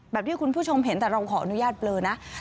ที่คุณผู้ชมเห็นแต่เราขออนุญาตเบลอนะ